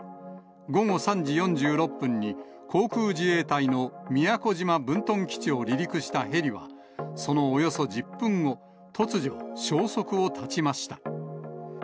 午後３時４６分に、航空自衛隊の宮古島分屯基地を離陸したヘリは、そのおよそ１０分後、突如、消息を絶ちました。